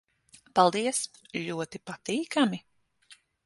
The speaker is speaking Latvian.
Paldies. Ļoti patīkami...